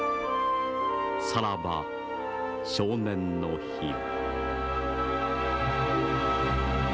さらば、少年の日よ。